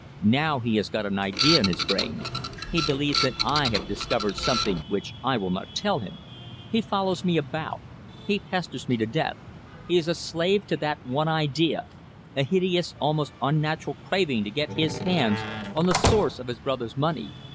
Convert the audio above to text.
Now he has got an idea in his brain. He believes that I have discovered something which I will not tell him. He follows me about. He pesters me to death. He is a slave to that one idea a hideous, almost unnatural craving to get his hands on the source of his brother's money.